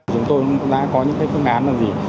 chúng tôi đã có những phương án là gì